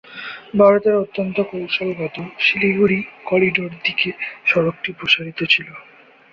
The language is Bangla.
ভারতের অত্যন্ত কৌশলগত শিলিগুড়ি করিডোর দিকে সড়কটি প্রসারিত ছিল।